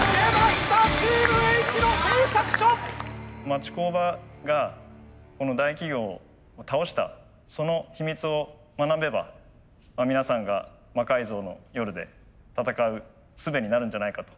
町工場がこの大企業を倒したその秘密を学べば皆さんが「魔改造の夜」で戦うすべになるんじゃないかと。